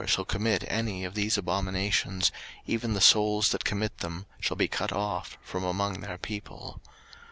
03:018:029 For whosoever shall commit any of these abominations, even the souls that commit them shall be cut off from among their people.